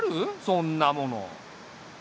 そんなもの。